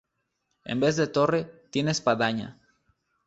En vez de torre, tiene espadaña.